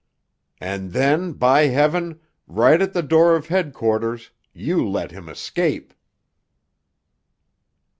"_And then, by Heaven, right at the door of headquarters, you let him escape!